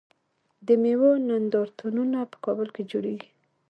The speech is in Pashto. د میوو نندارتونونه په کابل کې جوړیږي.